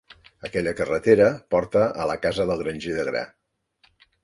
Aquella carretera porta a la casa del granger de gra.